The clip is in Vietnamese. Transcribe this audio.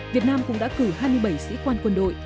việt nam cũng đã cử hai mươi bảy sĩ quan quân đội